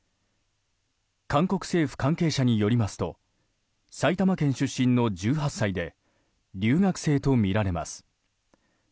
韓国政府関係者によりますと埼玉県出身の１８歳で留学生とみられます。